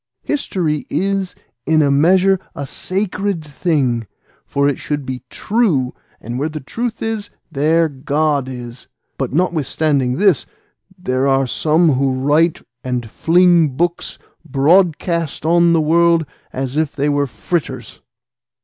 History is in a measure a sacred thing, for it should be true, and where the truth is, there God is; but notwithstanding this, there are some who write and fling books broadcast on the world as if they were fritters."